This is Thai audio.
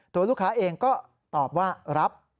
ตัวลูกค้าเองก็ตอบว่ารับ